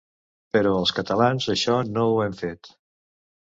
Però els catalans això no ho hem fet.